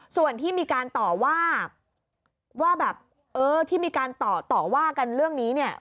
ส่วนที่มีการต่อว่ากันเรื่องนี้